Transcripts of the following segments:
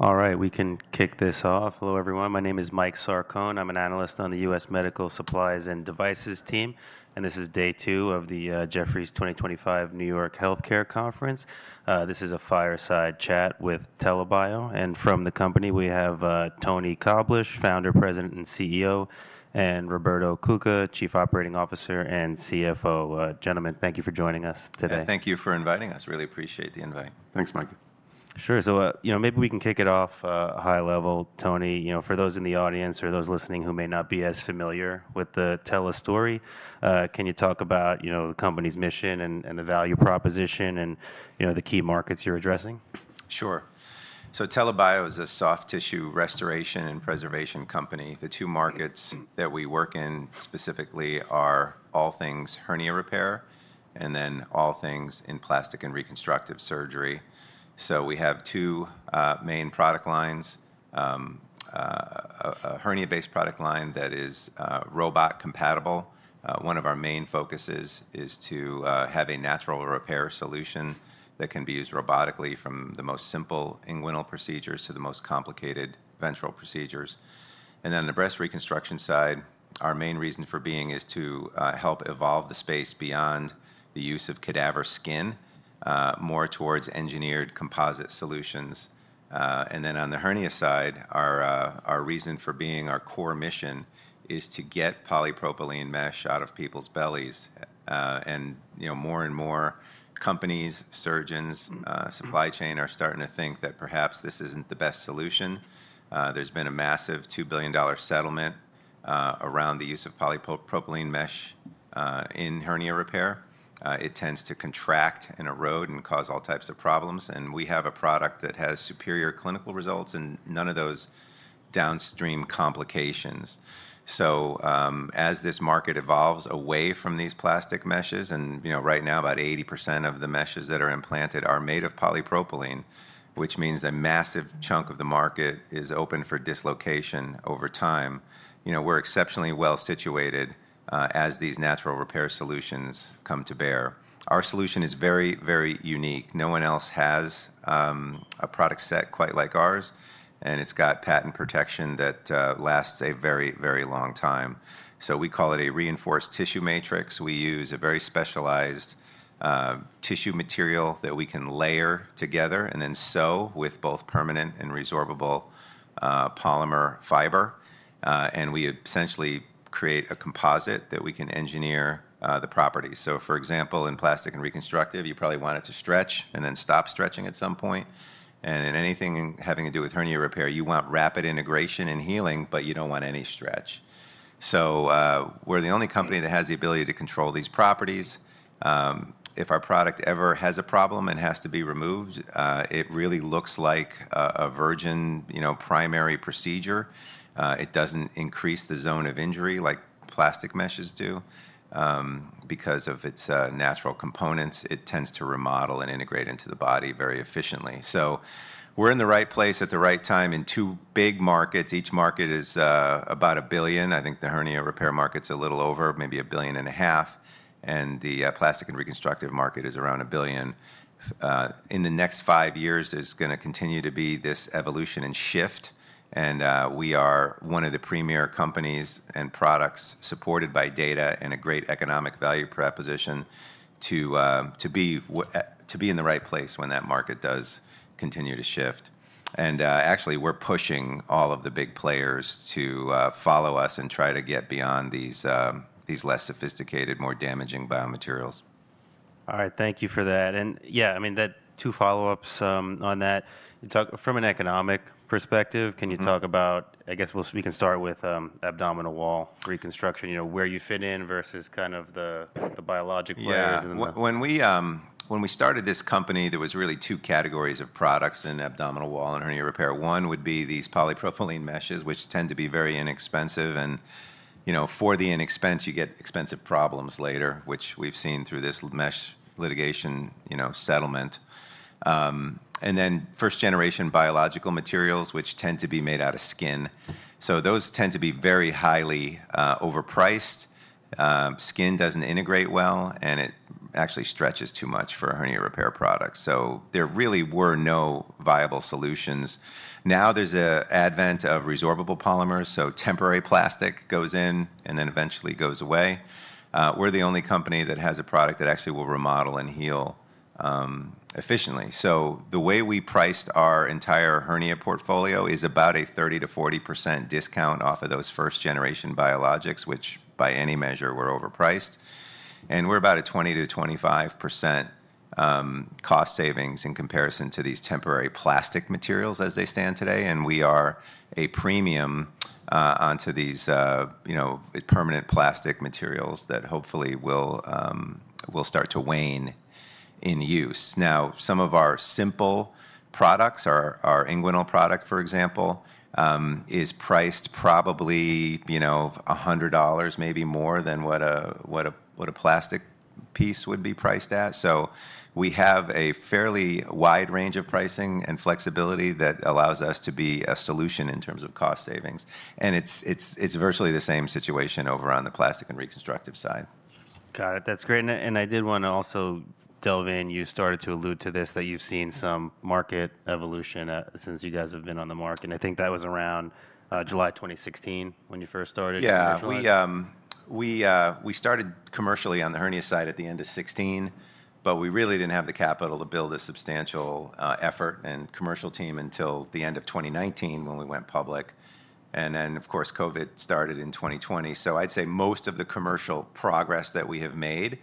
All right, we can kick this off. Hello everyone. My name is Mike Sarcon. I'm an analyst on the U.S. Medical Supplies and Devices team. This is day two of the Jefferies 2025 New York Healthcare Conference. This is a fireside chat with TELA Bio. From the company we have Tony Koblish, Founder, President and CEO, and Roberto Cuca, Chief Operating Officer and CFO. Gentlemen, thank you for joining us today. Thank you for inviting us. Really appreciate the invite. Thanks, Mike. Sure. Maybe we can kick it off high level. Tony, for those in the audience or those listening who may not be as familiar with the TELA story, can you talk about the company's mission and the value proposition and the key markets you're addressing? Sure. TELA Bio is a soft tissue restoration and preservation company. The two markets that we work in specifically are all things hernia repair, then all things in plastic and reconstructive surgery. We have two main product lines, a hernia based product line that is robot compatible. One of our main focuses is to have a natural repair solution that can be used robotically. From the most simple inguinal procedures to the most complicated ventral procedures, and then the breast reconstruction side. Our main reason for being is to help evolve the space beyond the use of cadaver skin more towards engineered composite solutions. On the hernia side, our reason for being, our core mission is to get polypropylene mesh out of people's bellies. You know, more and more companies, surgeons, supply chain are starting to think that perhaps this isn't the best solution. There's been a massive $2 billion settlement around the use of polypropylene mesh in hernia repair. It tends to contract and erode and cause all types of problems. We have a product that has superior clinical results and none of those downstream complications. As this market evolves away from these plastic meshes, and you know, right now about 80% of the meshes that are implanted are made of polypropylene, which means a massive chunk of the market is open for dislocation over time. You know, we're exceptionally well situated as these natural repair solutions come to bear. Our solution is very, very unique. No one else has a product set quite like ours, and it's got patent protection that lasts a very, very long time. We call it a reinforced tissue matrix. We use a very specialized tissue material that we can layer together and then sew with both permanent and resorbable polymer fiber. We essentially create a composite that we can engineer the properties so for example, in plastic and reconstructive, you probably want it to stretch and then stop stretching at some point. In anything having to do with hernia repair, you want rapid integration and healing, but you do not want any stretch. We are the only company that has the ability to control these properties. If our product ever has a problem and has to be removed, it really looks like a virgin primary procedure. It does not increase the zone of injury like plastic meshes do because of its natural components. It tends to remodel and integrate into the body very efficiently. We are in the right place at the right time in two big markets. Each market is about a billion. I think the hernia repair market's a little over maybe $1.5 billion. The plastic and reconstructive market is around a billion. In the next five years, there's going to continue to be this evolution and shift. We are one of the premier companies and products supported by data and a great economic value proposition to be in the right place when that market does continue to shift. Actually, we're pushing all of the big players to follow us and try to get beyond these less sophisticated, more damaging biomaterials. All right, thank you for that. Yeah, I mean, two follow ups on that from an economic perspective. Can you talk about, I guess we can start with abdominal wall reconstruction, you know, where you fit in, versus kind of the biologic. When we started this company, there was really two categories of products in abdominal wall and hernia repair. One would be these polypropylene meshes which tend to be very inexpensive. And you know, for the inexpensive, you get expensive problems later, which we've seen through this mesh litigation, you know, settlement. And then first generation biological materials which tend to be made out of skin. So those tend to be very highly overpriced. Skin doesn't integrate well and it actually stretches too much for a hernia repair product. So there really were no viable solutions. Now there's an advent of resorbable polymers. So temporary plastic goes in and then eventually goes away. We're the only company that has a product that actually will remodel and heal efficiently. The way we priced our entire hernia portfolio is about a 30%-40% discount off of those first generation biologics, which by any measure were overpriced. We're about a 20%-25% cost savings in comparison to these temporary plastic materials as they stand today. We are a premium onto these permanent plastic materials that hopefully will start to wane in use. Some of our simple products, our inguinal product, for example, is priced probably $100, maybe more than what a plastic piece would be priced at. We have a fairly wide range of pricing and flexibility that allows us to be a solution in terms of cost, cost savings, and it's virtually the same situation over on the plastic and reconstructive side. Got it. That's great. I did want to also delve in, you started to allude to this, that you've seen some market evolution since you guys have been on the market. I think that was around July 2016 when you first started commercially. We started commercially on the hernia side at the end of 2016, but we really did not have the capital to build a substantial effort and commercial team until the end of 2019 when we went public. Of course, COVID started in 2020. I would say most of the commercial progress that we have made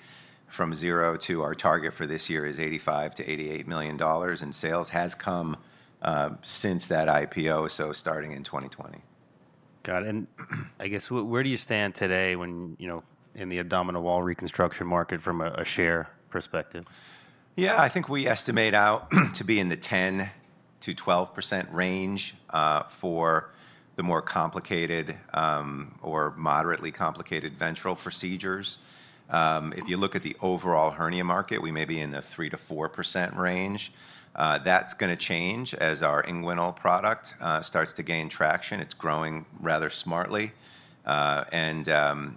from zero to our target for this year is $85-$88 million. Sales has come since that IPO, starting in 2020. Got it. I guess where do you stand today when you know, in the abdominal wall reconstruction market from a share perspective? Yeah, I think we estimate out to be in the 10%-12% range for the more complicated or moderately complicated ventral procedures. If you look at the overall hernia market, we may be in the 3%-4% range. That's going to change as our inguinal product starts to gain traction. It's growing rather smartly. And,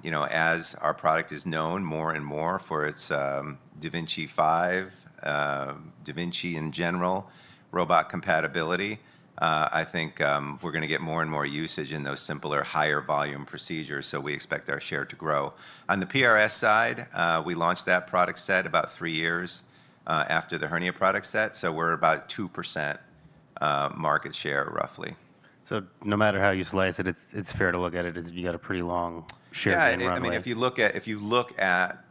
you know, as our product is known more and more for its DaVinci five, DaVinci in general, Robot compatibility, I think we're gonna get more and more usage in those simpler, higher volume procedures. We expect our share to grow. On the PRS side, we launched that product set about three years after the hernia product set. We're about 2% market share roughly. No matter how you slice it, it's fair to look at it as if you got a pretty long. I mean, if you look at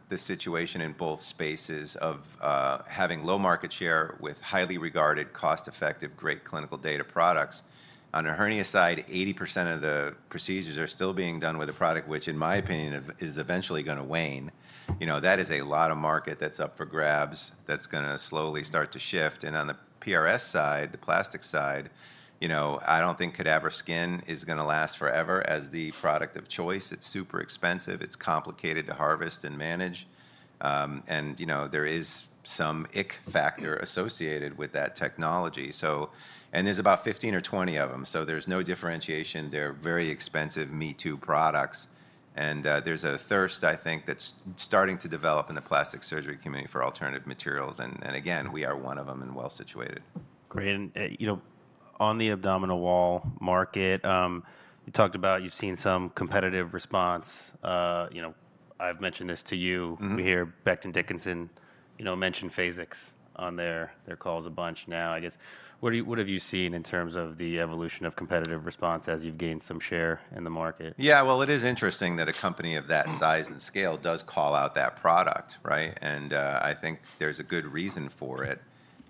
the situation in both spaces of having low market share with highly regarded, cost effective, great clinical data products. On the hernia side, 80% of the procedures are still being done with a product which in my opinion is eventually going to wane. You know, that is a lot of market that's up for grabs. That's going to slowly start to shift. On the PRS side, the plastic side, you know, I don't think cadaver skin is going to last forever as the product of choice. It's super expensive. It's complicated to harvest and manage. And, you know, there is some ick factor associated with that technology. There are about 15 or 20 of them, so there's no differentiation. They're very expensive, me too products. There is a thirst, I think, that's starting to develop in the plastic surgery community for alternative materials. Again, we are one of them and well situated. Great. You know, on the abdominal wall market, you talked about you've seen some competitive response. I've mentioned this to you. We hear Becton Dickinson mention Phasix on their calls a bunch now, I guess. What have you seen in terms of the evolution of competitive response as you've gained some share in the market? Yeah, it is interesting that a company of that size and scale does call out that product, and I think there's a good reason for it.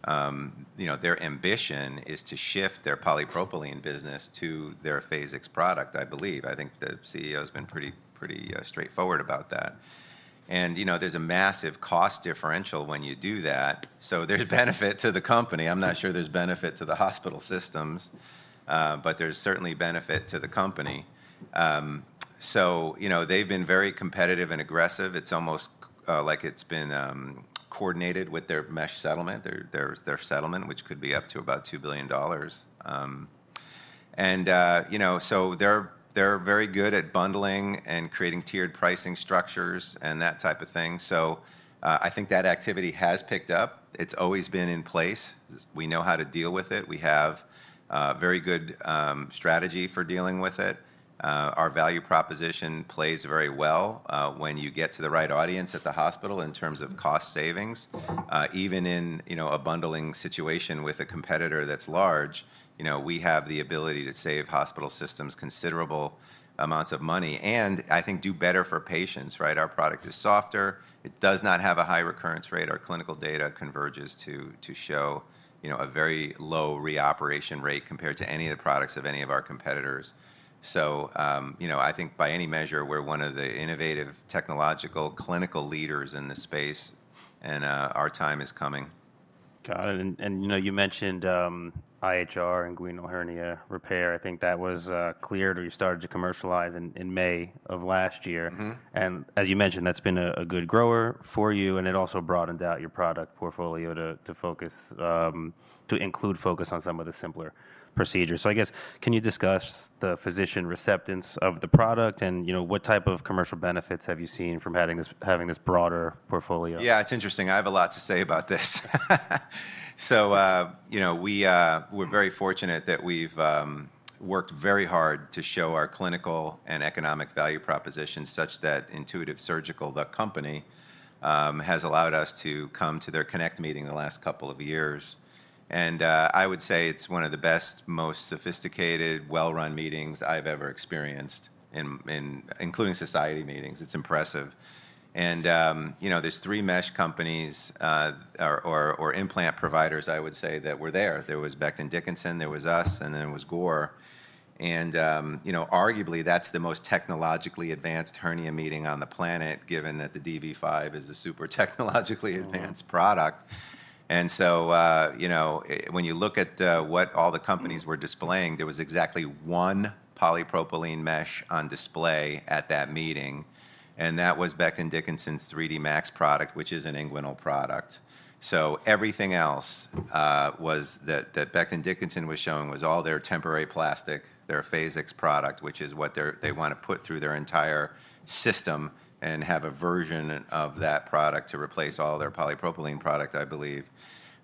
Their ambition is to shift their polypropylene business to their Phasix product, I believe. I think the CEO has been pretty straightforward about that. And, you know, there's a massive cost differential when you do that. So there's benefit to the company. I'm not sure there's benefit to the hospital systems, but there's certainly benefit to the company. You know, they've been very competitive and aggressive. It's almost like it's been coordinated with their mesh settlement. There's their settlement, which could be up to about $2 billion. And, you know, they're very good at bundling and creating tiered pricing structures and that type of thing. I think that activity has picked up. It's always been in place. We know how to deal with it. We have very good strategy for dealing with it. Our value proposition plays very well when you get to the right audience at the hospital in terms of cost savings, even in a bundling situation with a competitor that's large. You know, we have the ability to save hospital systems considerable amounts of money and I think do better for patients. Right. Our product is softer. It does not have a high recurrence rate. Our clinical data converges to show, you know, a very low reoperation rate compared to any of the products of any of our competitors. You know, I think by any measure, we're one of the innovative technological clinical leaders in the space, and our time is coming. Got it. You know, you mentioned IHR Inguinal Hernia Repair. I think that was cleared or you started to commercialize in May of last year. As you mentioned, that's been a good grower for you. It also broadened out your product portfolio to include focus on some of the simpler procedures. I guess can you discuss the physician receptance of the product and, you know, what type of commercial benefits have you seen from having this broader product? Yeah, it's interesting. I have a lot to say about this. So you know, we, we're very fortunate that we've worked very hard to show our clinical and economic value propositions such that Intuitive Surgical, the company, has allowed us to come to their Connect meeting the last couple of years and I would say it's one of the best, most sophisticated, well-run meetings I've ever experienced, including society meetings. It's impressive. And you know, there's three mesh companies or implant providers I would say that were there, there was Becton Dickinson, there was us, and then there was Gore. And you know, arguably that's the most technologically advanced hernia meeting on the planet, given that the DaVinci is a super technologically advanced product. You know, when you look at what all the companies were displaying, there was exactly one part polypropylene mesh on display at that meeting and that was Becton Dickinson's 3D Max product, which is an inguinal product. Everything else that Becton Dickinson was showing was all their temporary plastic, their Phasix product, which is what they want to put through their entire system and have a version of that product to replace all their polypropylene product, I believe,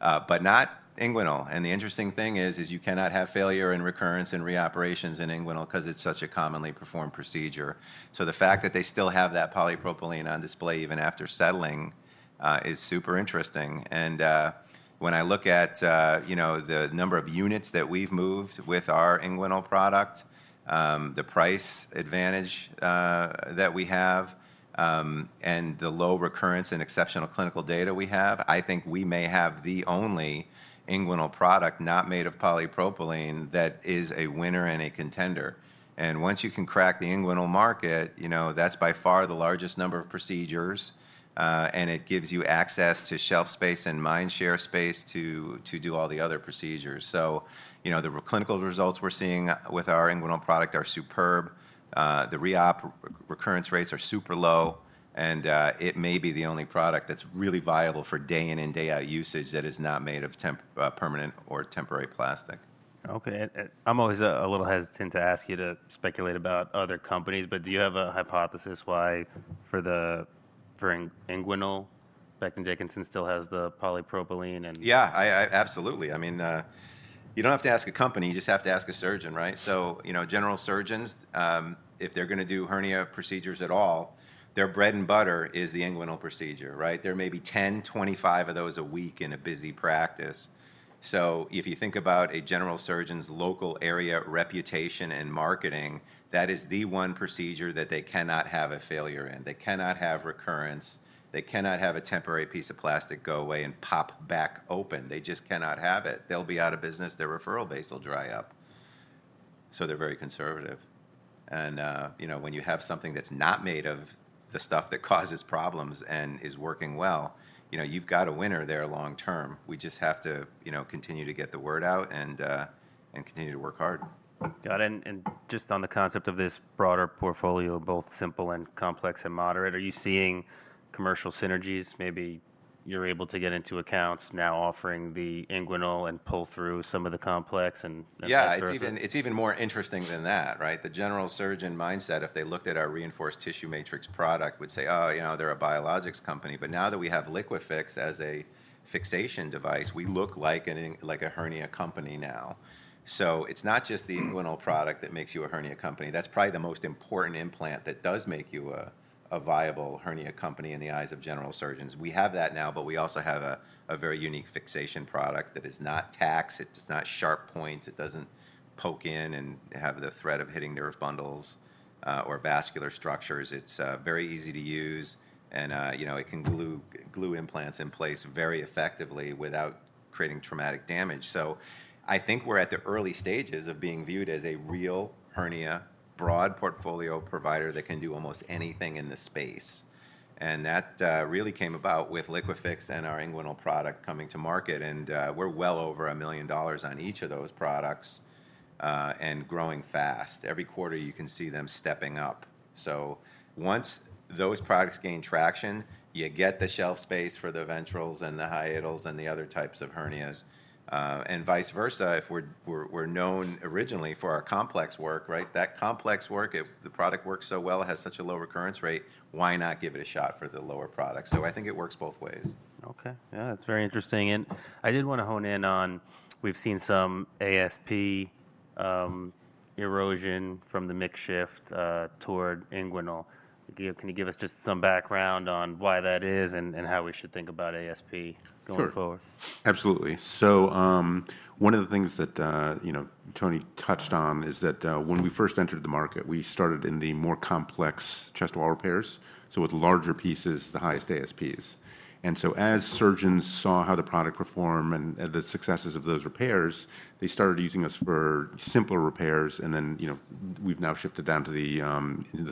but not inguinal. The interesting thing is you cannot have failure in recurrence and reoperations in inguinal because it is such a commonly performed procedure. The fact that they still have that polypropylene on display even after settling is super interesting. When I look at, you know, the number of units that we've moved with our inguinal product, the price advantage that we have, and the low recurrence and exceptional clinical data we have, I think we may have the only inguinal product not made of polypropylene that is a winner and a contender. Once you can crack the inguinal market, you know, that's by far the largest number of procedures and it gives you access to shelf space and mindshare space to do all the other procedures. You know, the clinical results we're seeing with our inguinal product are superb. The reop recurrence rates are super low and it may be the only product that's really viable for day in and day out usage. That is not made of permanent or temporary plastic. Okay. I'm always a little hesitant to ask you to speculate about other companies, but do you have a hypothesis why for inguinal, Becton Dickinson still has the polypropylene? Yeah, absolutely. I mean, you don't have to ask a company, you just have to ask a surgeon. Right. So, you know, general surgeons, if they're going to do hernia procedures at all, their bread and butter is the inguinal procedure. Right. There may be 10-25 of those a week in a busy practice. If you think about a general surgeon's local area reputation and marketing, that is the one procedure that they cannot have a failure in. They cannot have recurrence. They cannot have a temporary piece of plastic go away and pop back open. They just cannot have it. They'll be out of business. Their referral base will dry up. They're very conservative. And, you know, when you have something that's not made of the stuff that causes problems and is working well, you know, you've got a winner there long term. We just have to, you know, continue to get the word out and continue to work hard. Got it. Just on the concept of this broader portfolio, both simple and complex and moderate, are you seeing commercial synergies? Maybe you're able to get into accounts now offering the inguinal and pull through some of the complex and yeah, it's. Even more interesting than that. Right. The general surgeon mindset, if they looked at our Reinforced Tissue Matrix product, would say, oh, you know, they're a biologics company. Now that we have LIQUIFIX as a fixation device, we look like a hernia company now. It is not just the inguinal product that makes you a hernia company. That is probably the most important implant that does make you a viable hernia company in the eyes of general surgeons. We have that now. We also have a very unique fixation product that is not tacks. It does not have a sharp point, it does not poke in and have the threat of hitting nerve bundles or vascular structures. It is very easy to use. And, you know, it can glue implants in place very effectively without creating traumatic damage. I think we're at the early stages of being viewed as a real hernia broad portfolio provider that can do almost anything in the space. That really came about with LIQUIFIX and our inguinal product coming to market. We're well over $1 million on each of those products and growing fast every quarter. You can see them stepping up. Once those products gain traction, you get the shelf space for the ventrals and the hiatals and the other types of hernias and vice versa. If we're known originally for our complex work, right, that complex work, the product works so well, has such a low recurrence rate. Why not give it a shot for the lower product? I think it works both ways. Okay. Yeah, that's very interesting. I did want to hone in on, we've seen some ASP erosion from the mix shift toward inguinal. Can you give us just some background on why that is and how we should think about ASP going forward? Sure, absolutely. One of the things that Tony touched on is that when we first entered the market, we started in the more complex chest wall repairs. With larger pieces, the highest ASPs. As surgeons saw how the product performed and the successes of those repairs, they started using us for simple repairs. You know, we've now shifted down to the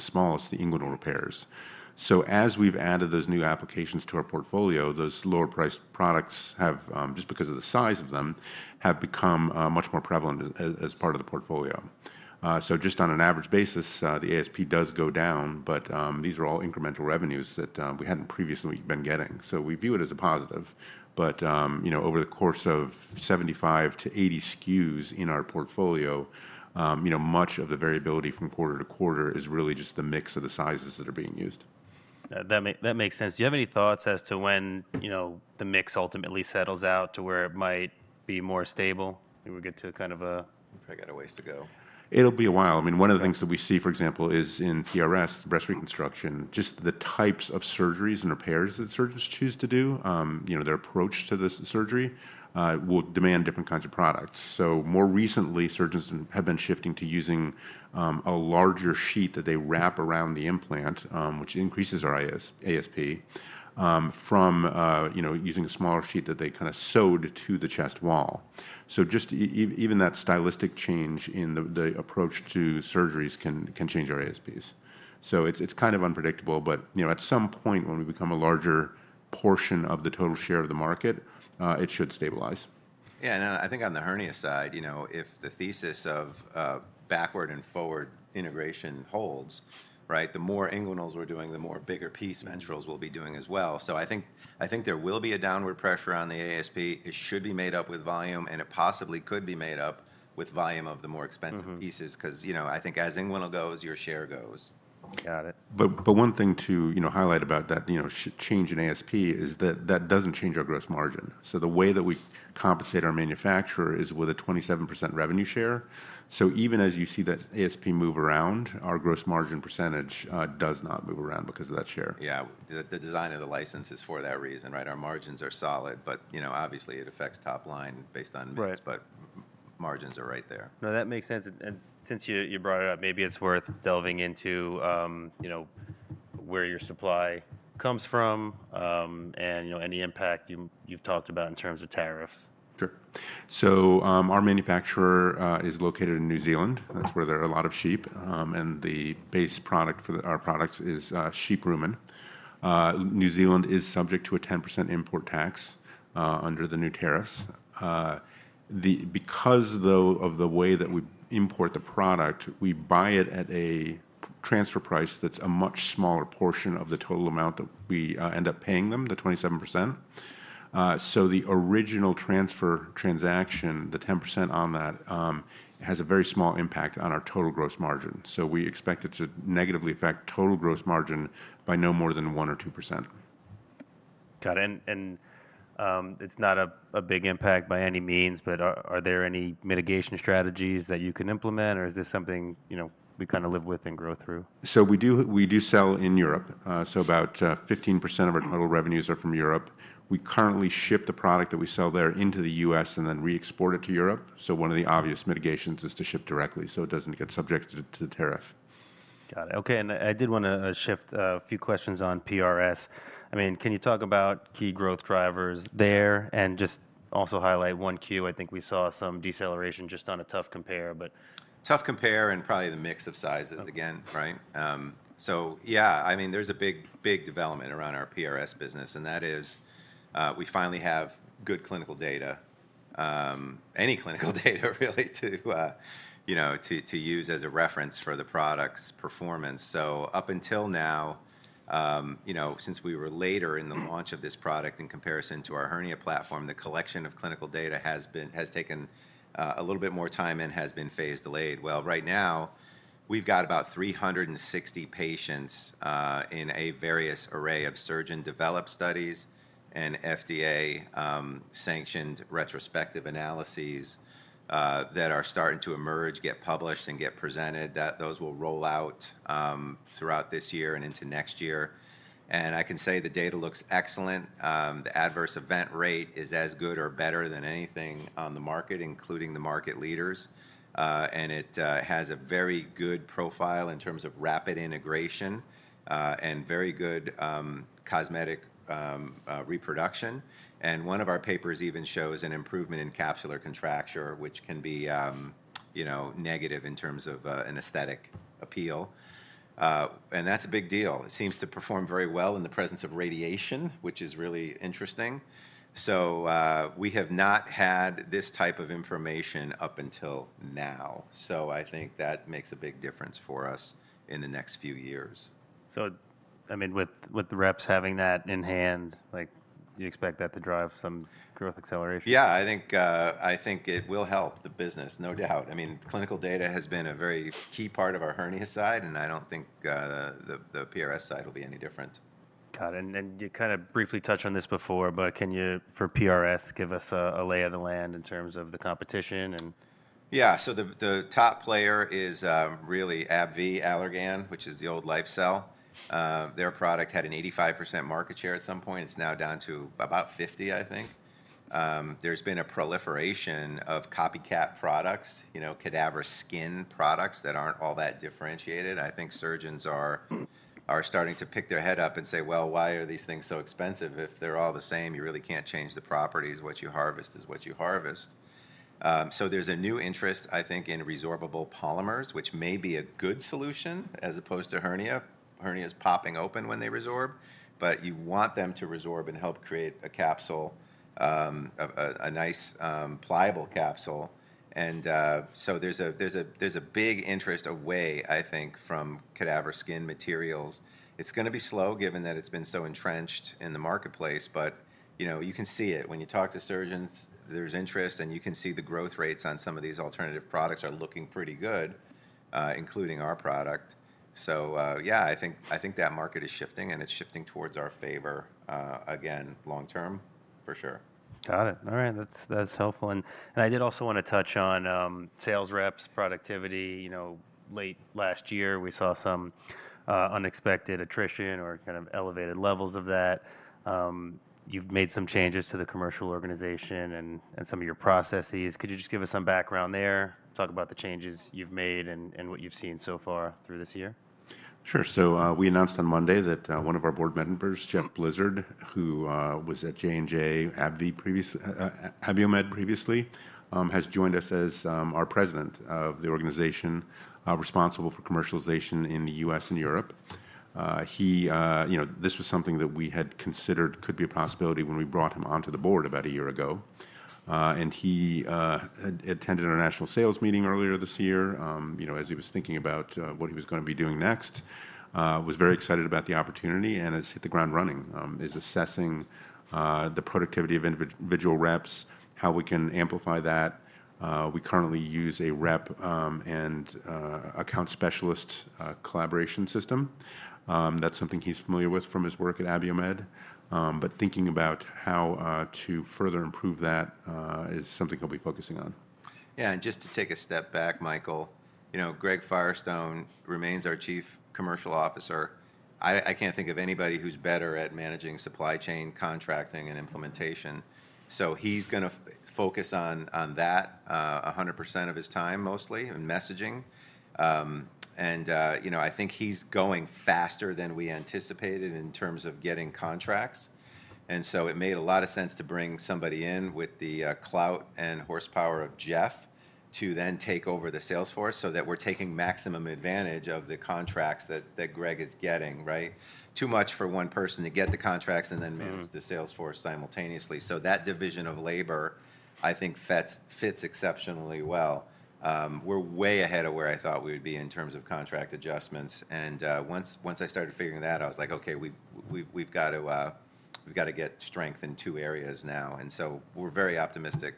smallest, the inguinal repairs. As we've added those new applications to our portfolio, those lower priced products have, just because of the size of them, become much more prevalent as part of the portfolio. Just on an average basis, the ASP does go down, but these are all incremental revenues that we had not previously been getting. So. We view it as a positive. Over the course of 75-80 SKUs in our portfolio, much of the variability from quarter to quarter is really just the mix of the sizes that are being used. That makes sense. Do you have any thoughts as to when the mix ultimately settles out to where it might be more stable? We'll get to kind of a. Probably got a ways to go. It'll be a while. I mean, one of the things that we see, for example, is in PRS breast reconstruction, just the types of surgeries and repairs that surgeons choose to do, their approach to this surgery will demand different kinds of products. More recently, surgeons have been shifting to using a larger sheet that they wrap around the implant, which increases our ASP from, you know, using a smaller sheet that they kind of sewed to the chest wall. Just even that stylistic change in the approach to surgeries can change our ASPs. It's kind of unpredictable, but at some point when we become a larger portion of the total share of the market, it should stabilize. Yeah, I think on the hernia side, you know, if the thesis of backward and forward integration holds. Right. The more inguinals we're doing, the more bigger piece, ventrals, we'll be doing as well. So I think, I think there will be a downward pressure on the ASP. It should be made up with volume and it possibly could be made up with volume of the more expensive pieces. Because, you know, I think as inguinal goes, your share goes. Got it. One thing to highlight about that change in ASP is that that does not change our gross margin. The way that we compensate our manufacturer is with a 27% revenue share. Even as you see that ASP move around, our gross margin percentage does not move around because of that share. Yeah. The design of the license is for that reason. Right. Our margins are solid, but, you know, obviously it affects top line based on. But margins are right there. No, that makes sense. Since you brought it up, maybe it's worth delving into where your supply comes from and any impact you've talked about in terms of tariffs. Sure. So our manufacturer is located in New Zealand. That's where there are a lot of sheep. And the base product for our products is sheep rumen. New Zealand is subject to a 10% import tax under the new tariffs because though of the way that we import the product, we buy it at a transfer price, that's a much smaller portion of the total amount that we end up paying them, the 27%. So the original transfer transaction, the 10% on that has a very small impact on our total gross margin. We expect it to negatively affect total gross margin by no more than 1% or 2%. Got it. It is not a big impact by any means. Are there any mitigation strategies that you can implement or is this something we kind of live with and grow through? We do sell in Europe. About 15% of our total revenues are from Europe. We currently ship the product that we sell there into the U.S. and then re-export it to Europe. One of the obvious mitigations is to ship directly so it does not get subjected to the tariff. Got it. Okay. I did want to shift a few questions on PRS. I mean, can you talk about key growth drivers there and just also highlight one Q. I think we saw some deceleration just on a tough compare, but. Tough compare and probably the mix of sizes again. Right. So, yeah, I mean, there's a big, big development around our PRS business. And that is we finally have good clinical data, any clinical data really, to, you know, to use as a reference for the product's performance. Up until now, you know, since we were later in the launch of this product, in comparison to our hernia platform, the collection of clinical data has been, has taken a little bit more time and has been phase delayed. Right now we've got about 360 patients in a various array of surgeon developed studies and FDA sanctioned retrospective analyses that are starting to emerge, get published and get presented. Those will roll out throughout this year and into next year. I can say the data looks excellent. The adverse event rate is as good or better than anything on the market, including the market leaders. It has a very good profile in terms of rapid integration and very good cosmetic reproduction. One of our papers even shows an improvement in capsular contracture, which can be, you know, negative in terms of an aesthetic appeal. That is a big deal. It seems to perform very well in the presence of radiation, which is really interesting. We have not had this type of information up until now. I think that makes a big difference for us in the next few years. I mean, with the reps having that in hand, you expect that to drive some growth acceleration. Yeah, I think it will help the business, no doubt. I mean, clinical data has been a very key part of our hernia side and I don't think the PRS side will be any different. Got it. You kind of briefly touched on this before, but can you for PRS, give us a lay of the land in terms of the competition? Yeah, the top player is really AbbVie Allergan, which is the old LifeCell. Their product had an 85% market share at some point. It's now down to about 50%. I think there's been a proliferation of copycat products, you know, cadaver skin products that aren't all that differentiated. I think surgeons are starting to pick their head up and say, you know, why are these things so expensive if they're all the same? You really can't change the properties. What you harvested is what you harvest. There's a new interest, I think, in resorbable polymers, which may be a good solution as opposed to hernia. Hernias popping open when they resorb. You want them to resorb and help create a capsule, a nice pliable capsule. There's a big interest away, I think, from cadaver skin materials. It's going to be slow given that it's been so entrenched in the marketplace. But you know, you can see it when you talk to surgeons, there's interest and you can see the growth rates on some of these alternative products are looking pretty good, including our product. So yeah, I think that market is shifting and it's shifting towards our favor again, long term for sure. Got it. All right, that's helpful. I did also want to touch on sales reps productivity. You know, late last year we saw some unexpected attrition or kind of elevated levels of that. You've made some changes to the commercial organization and some of your processes. Could you just give us some background there? Talk about the changes you've made and what you've seen so far through this year. Sure. We announced on Monday that one of our board members, Jeff Blizzard, who was at J&J Abiomed previously, has joined us as our President of the organization responsible for commercialization in the U.S. and European. He, you know, this was something that we had considered could be a possibility when we brought him onto the board about a year ago and he attended our national sales meeting earlier this year. You know, as he was thinking about what he was going to be doing next, was very excited about the opportunity and has hit the ground running, is assessing the productivity of individual reps, how we can amplify that. We currently use a rep and account specialist collaboration system. That is something he is familiar with from his work at Abiomed. Thinking about how to further improve that is something he will be focusing on. Yeah. Just to take a step back, Michael, you know, Greg Firestone remains our Chief Commercial Officer. I can't think of anybody who's better at managing supply chain contracting and implementation. He's going to focus on that 100% of his time mostly and messaging. You know, I think he's going faster than we anticipated in terms of getting contracts. It made a lot of sense to bring somebody in with the clout and horsepower of Jeff to then take over the salesforce so that we're taking maximum advantage of the contracts that Greg is getting. Too much for one person to get the contracts and then manage the sales force simultaneously. That division of labor I think fits exceptionally well. We're way ahead of where I thought we would be in terms of contract adjustments. Once I started figuring that out, I was like, okay, we've got to get strength in two areas now. We are very optimistic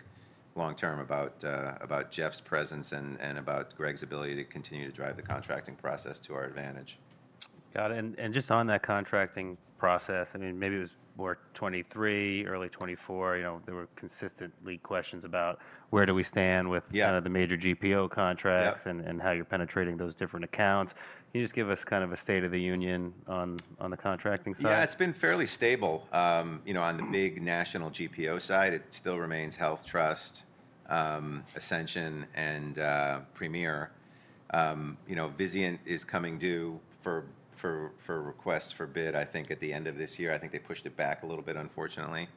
long term about Jeff's presence and about Greg's ability to continue to drive the contracting process to our advantage. Got it. I mean maybe it was more 2023, early 2024. You know, there were consistent leaked questions about where do we stand with kind of the major GPO contracts and how you're penetrating those different accounts. Can you just give us kind of a state of the union on the contracting side? Yeah, it's been fairly stable. You know, on the big national GPO side, it still remains HealthTrust, Ascension, and Premier. You know, Vizient is coming due for requests for bid, I think, at the end of this year. I think they pushed it back a little bit, unfortunately.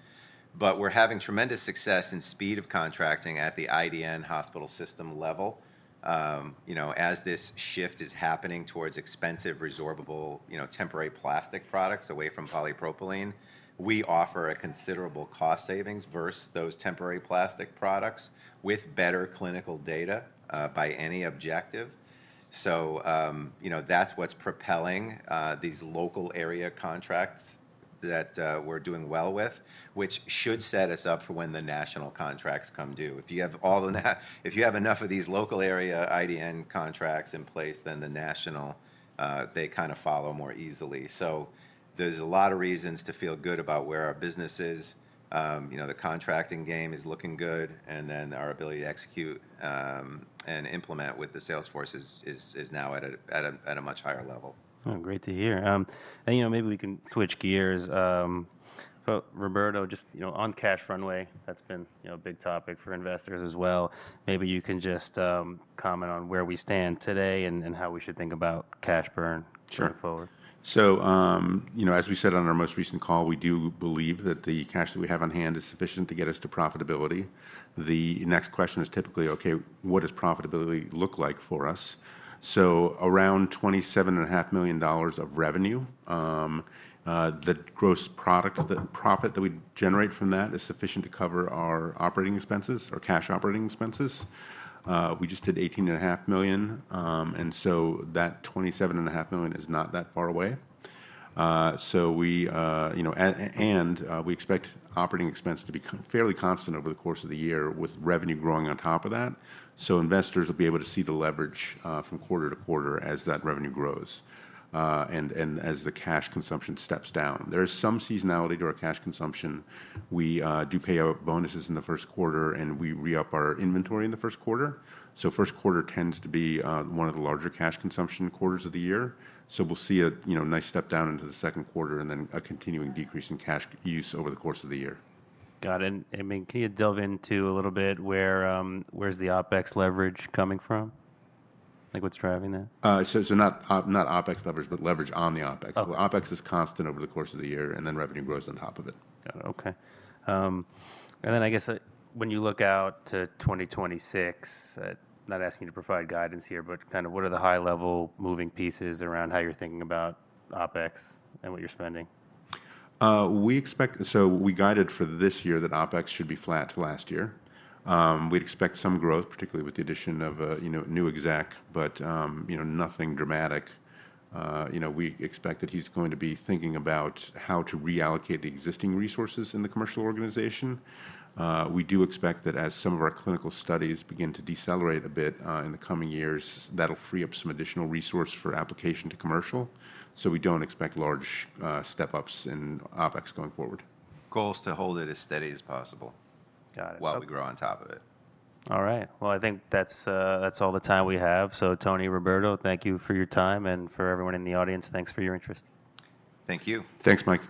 But we're having tremendous success in speed of contracting at the IDN hospital system level. As this shift is happening towards expensive, resorbable temporary plastic products away from polypropylene, we offer a considerable cost savings versus those temporary plastic products with better clinical data by any objective. So, you know, that's what's propelling these local area contracts that we're doing well with, which should set us up for when the national contracts come due. If you have enough of these local area IDN contracts in place, then the national, they kind of follow more easily. There is a lot of reasons to feel good about where our business is. The contracting game is looking good and then our ability to execute and implement with the salesforce is now at a much higher level. Great to hear. Maybe we can switch gears. Roberto, just on cash runway, that's been a big topic for investors as well. Maybe you can just comment on where we stand today and how we should think about cash burn going forward. Sure. So, you know, as we said on our most recent call, we do believe that the cash that we have on hand is sufficient to get us to profitability. The next question is typically, okay, what does profitability look like for us? So around $27.5 million of revenue, the gross profit that we generate from that is sufficient to cover our operating expenses or cash operating expenses. We just did $18.5 million, and so that $27.5 million is not that far away. We, you know, and we expect operating expense to be fairly constant over the course of the year with revenue growing on top of that. Investors will be able to see the leverage from quarter to quarter as that revenue grows and as the cash consumption steps down. There is some seasonality to our cash consumption. We do pay out bonuses in the first quarter and we re up our inventory in the first quarter. First quarter tends to be one of the larger cash consumption quarters of the year. We'll see a nice step down into the second quarter and then a continuing decrease in cash use over the course of the year. Got it. I mean, can you delve into a little bit? Where's the OpEx leverage coming from? Like, what's driving that? Not OpEx leverage, but leverage on the OpEx. OpEx is constant over the course of the year and then revenue grows on top of it. Okay. And then I guess when you look out to 2026, not asking to provide guidance here, but kind of what are the high level moving pieces around, how you're thinking about OpEx and what you're spending. We expect, so we guided for this year, that OpEx should be flat. Last year, we'd expect some growth, particularly with the addition of, you know, new exec, but, you know, nothing dramatic. You know, we expect that he's going to be thinking about how to reallocate the existing resources in the commercial organization. We do expect that as some of our clinical studies begin to decelerate a bit in the coming years, that'll free up some additional resource for application to commercial. We do not expect large step ups in OpEx going forward. Goal is to hold it as steady as possible while we grow on top of it. All right, I think that's all the time we have. Tony, Roberto, thank you for your time and for everyone in the audience, thanks for your interest. Thank you. Thanks Mike.